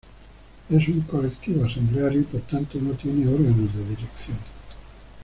Es un colectivo asambleario y por tanto no tiene órganos de dirección.